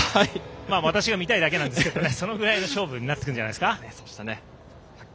私が見たいだけなんですけどそのぐらいの勝負になると思います。